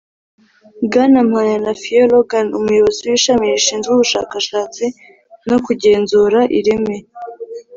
bwana mpayana fio logan umuyobozi w'ishami rishinzwe ubushakashatsi no kugenzura ireme